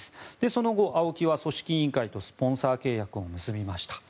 その後、ＡＯＫＩは組織委員会とスポンサー契約を結びました。